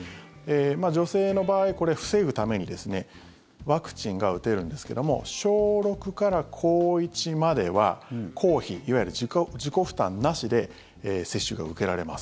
女性の場合、これ防ぐためにワクチンが打てるんですけど小６から高１までは公費、いわゆる自己負担なしで接種が受けられます。